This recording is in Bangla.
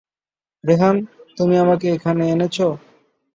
রেহান, তুমি আমাকে এখানে এনেছো?